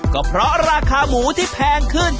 ก็เพราะราคาหมูที่แพงขึ้น